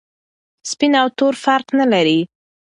سپین او تور فرق نلري.